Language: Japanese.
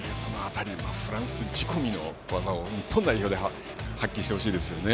フランス仕込みの技を日本代表でも発揮してほしいです。